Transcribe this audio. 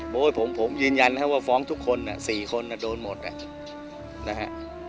ผมยืนยันนะครับว่าฟ้องทุกคน๔คนโดนหมดนะฮะ